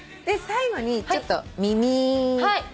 最後にちょっと耳を。